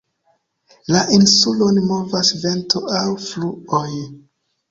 La insulon movas vento aŭ fluoj.